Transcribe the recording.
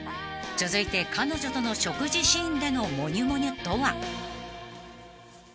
［続いて彼女との食事シーンでのモニュモニュとは？］